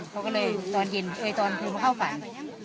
เขาก็เลยตอนคุณเข้าฝัน